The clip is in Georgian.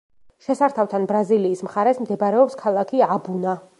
შესართავთან, ბრაზილიის მხარეს მდებარეობს ქალაქი აბუნა.